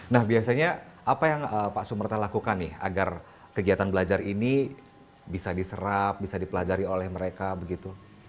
nah biasanya apa yang pak sumerta lakukan nih agar kegiatan belajar ini bisa diserap bisa dipelajari oleh mereka begitu